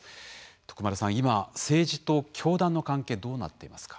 徳丸さん、今、政治と教団の関係どうなっていますか？